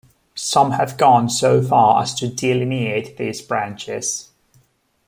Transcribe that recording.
Some have gone so far as to delineate these branches.